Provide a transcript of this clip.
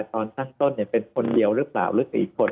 ตอนตั้งต้นเป็นคนเดียวหรือเปล่าหรือกี่คน